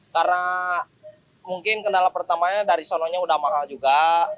karena mungkin kendala pertamanya dari sononya udah makal juga